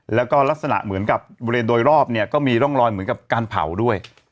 แล้วก็ลักษณะเหมือนกับบริเวณโดยรอบเนี่ยก็มีร่องรอยเหมือนกับการเผาด้วย